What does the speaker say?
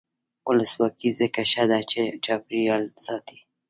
ولسواکي ځکه ښه ده چې چاپیریال ساتي.